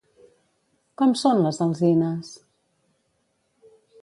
Com són les alzines?